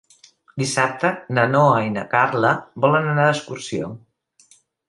Dissabte na Noa i na Carla volen anar d'excursió.